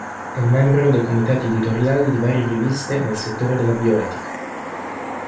È membro dei comitati editoriali di varie riviste nel settore della bioetica.